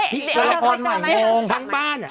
พี่เต๋อพอร์ตใหม่มองทั้งบ้านอ่ะ